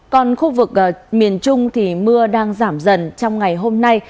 còn khu vực miền trung thì mưa đang giảm dần trong ngày hôm nay